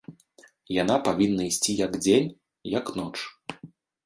Яна павінна ісці як дзень, як ноч.